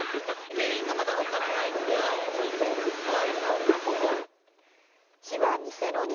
原因がまだ分からないので、ちょっと怖いのはありますよね。